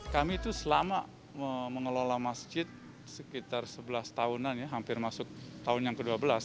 kami itu selama mengelola masjid sekitar sebelas tahunan ya hampir masuk tahun yang ke dua belas